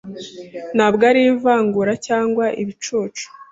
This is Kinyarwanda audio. ntabwo ari ivangura cyangwa ibicucu